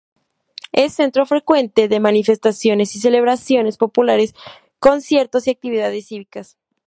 Es centro frecuente de manifestaciones y celebraciones populares, conciertos y actividades cívicas.